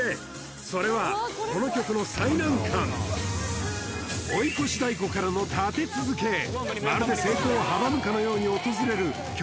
それはこの曲の最難関追い越し太鼓からの立て続けまるで成功を阻むかのように訪れる曲